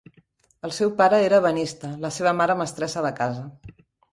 El seu pare era ebenista, la seva mare mestressa de casa.